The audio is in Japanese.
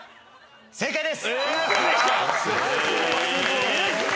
正解です！